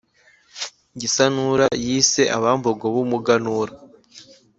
gisanura yise abambogo b’umuganura.